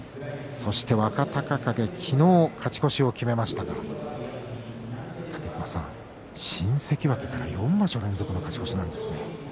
そして若隆景昨日勝ち越しを決めましたが武隈さん、新関脇から４場所連続の勝ち越しなんですね。